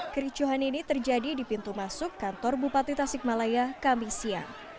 kericuhan ini terjadi di pintu masuk kantor bupati tasikmalaya kamisia